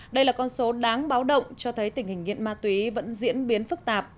đây là con số đáng báo động cho thấy tình hình nghiện ma túy vẫn diễn biến phức tạp